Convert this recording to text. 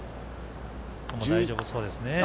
大丈夫そうですね。